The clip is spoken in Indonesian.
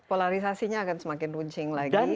polarisasi nya akan semakin rujing lagi